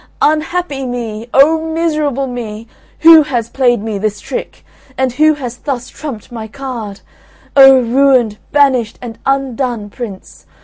unhappy me! O miserable me! Who has played me this trick? and who has thus trumped my card? O ruined, banished, and undone prince!